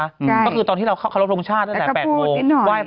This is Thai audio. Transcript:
ใช่ก็คือตอนที่เราเข้ารพโรงชาติตั้งแต่แปดโมงแล้วก็พูดนิดหน่อย